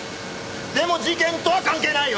でも事件とは関係ないよ！